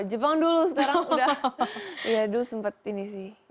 jepang dulu sekarang udah ya dulu sempat ini sih